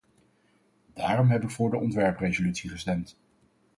Daarom heb ik voor de ontwerpresolutie gestemd.